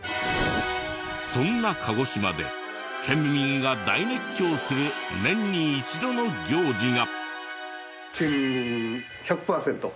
そんな鹿児島で県民が大熱狂する年に一度の行事が。